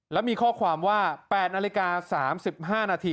แล้วมีข้อความว่า๘นาฬิกา๓๕นาที